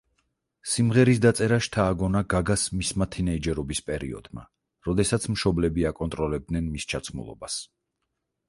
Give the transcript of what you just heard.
სიმღერის დაწერა შთააგონა გაგას მისმა თინეიჯერობის პერიოდმა როდესაც მშობლები აკონტროლებდნენ მის ჩაცმულობას.